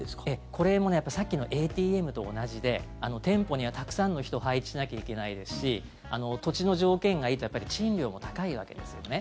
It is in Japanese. これもさっきのＡＴＭと同じで店舗にはたくさんの人を配置しなきゃいけないですし土地の条件がいいと賃料も高いわけですよね。